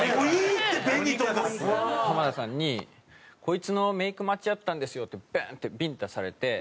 浜田さんに「こいつのメイク待ちやったんですよ」ってバーン！ってビンタされて。